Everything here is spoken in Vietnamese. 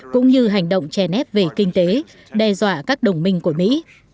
cũng như hành động che nét về kinh tế đe dọa các đồng minh của mỹ